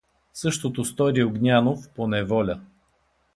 Същото стори и Огнянов, по неволя.